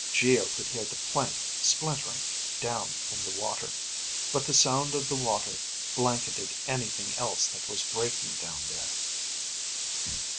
Geo could hear the plank splintering down in the water. But the sound of the water blanketed anything else that was breaking down there.